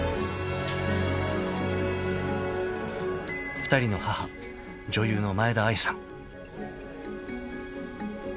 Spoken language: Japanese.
［２人の母女優の前田愛さん］